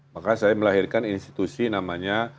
maka saya melahirkan institusi namanya